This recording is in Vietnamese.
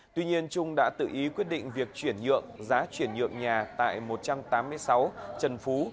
tuy nhiên trung đã tự ý quyết định việc chuyển nhượng giá chuyển nhượng nhà tại một trăm tám mươi sáu trần phú